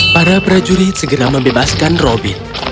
para prajurit segera membebaskan robin